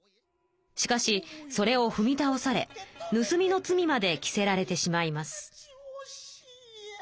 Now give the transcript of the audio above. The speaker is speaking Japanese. しかしそれをふみたおされぬすみの罪まで着せられてしまいます。